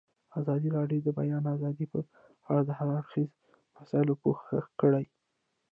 ازادي راډیو د د بیان آزادي په اړه د هر اړخیزو مسایلو پوښښ کړی.